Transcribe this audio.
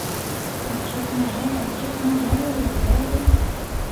The multiplayer mode is not included in the Game Boy version.